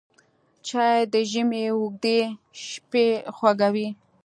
چای د ژمي اوږدې شپې خوږوي